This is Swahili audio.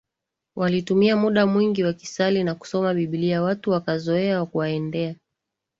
Walitumia muda mwingi wakisali na kusoma Biblia Watu wakazoea kuwaendea